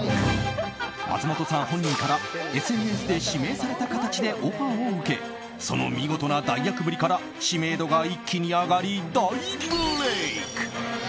松本さん本人からＳＮＳで指名された形でオファーを受けその見事な代役ぶりから知名度が一気に上がり大ブレーク。